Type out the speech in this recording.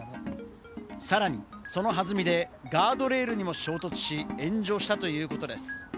さらにその弾みでガードレールにも衝突し、炎上したということです。